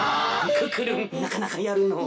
クックルンなかなかやるのう。